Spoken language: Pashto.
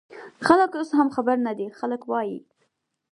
خلک اوس هم خبر نه دي، خلک وايي